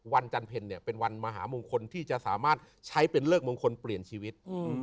จันเพลเนี่ยเป็นวันมหามงคลที่จะสามารถใช้เป็นเลิกมงคลเปลี่ยนชีวิต